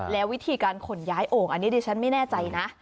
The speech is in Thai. แล้ววิธีการขนย้ายโอ่งอันนี้ดิฉันไม่แน่ใจนะ